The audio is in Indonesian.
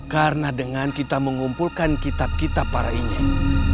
karena dengan kita mengumpulkan kitab kitab para inyek